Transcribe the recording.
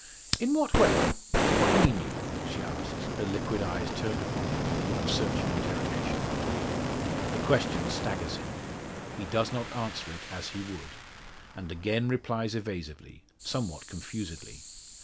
"In what way? What mean you?" she asks, her liquid eyes turned upon him with a look of searching interrogation. The question staggers him. He does not answer it as he would, and again replies evasively somewhat confusedly.